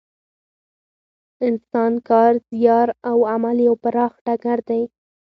انسان کار، زیار او عمل یو پراخ ډګر دی.